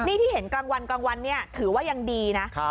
นี่ที่เห็นกลางวันกลางวันเนี่ยถือว่ายังดีนะ